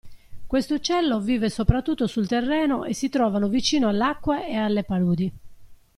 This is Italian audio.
Questo uccello vive soprattutto sul terreno e si trovano vicino all'acqua ed alle paludi.